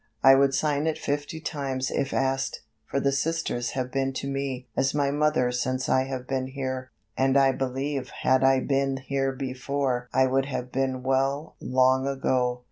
I would sign it fifty times if asked, for the Sisters have been to me as my mother since I have been here, and I believe had I been here before I would have been well long ago.